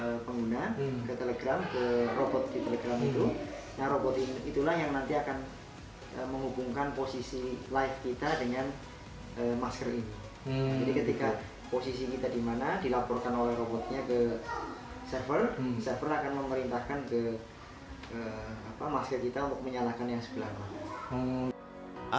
server akan memerintahkan ke masker kita untuk menyalakan yang sebelah